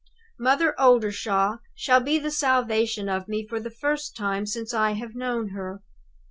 Mother Oldershaw shall be the salvation of me for the first time since I have known her.